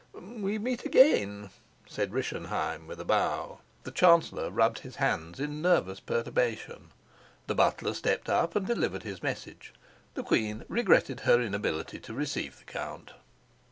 "We meet again," said Rischenheim with a bow. The chancellor rubbed his hands in nervous perturbation. The butler stepped up and delivered his message: the queen regretted her inability to receive the count.